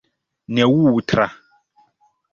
neŭtra